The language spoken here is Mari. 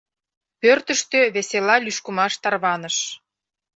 Пӧртыштӧ весела лӱшкымаш тарваныш.